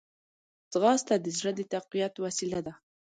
ځغاسته د زړه د تقویت وسیله ده